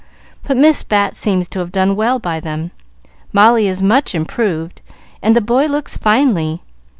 But Miss Bat seems to have done well by them. Molly is much improved, and the boy looks finely.